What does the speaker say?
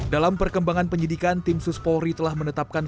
dalam perkembangan penyidikan tim suspolri telah menetapkan